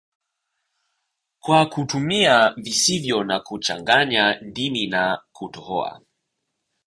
kwa kutumia visivyo na kuchanganya ndimi na kutohoa